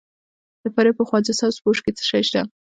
د فاریاب په خواجه سبز پوش کې څه شی شته؟